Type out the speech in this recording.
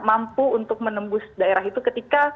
mampu untuk menembus daerah itu ketika